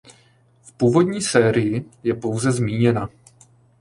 V původní sérii je pouze zmíněna.